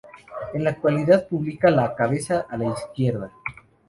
En la actualidad publica "La Cabeza a la Izquierda".